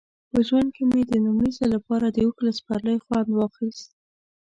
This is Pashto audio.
په ژوند کې مې د لومړي ځل لپاره د اوښ له سپرلۍ خوند واخیست.